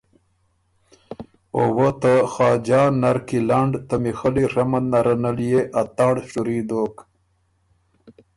او وۀ ته خاجان نر کی لنډ ته میخلّی ڒمند نره ن ليې اتنړ شُوري دوک۔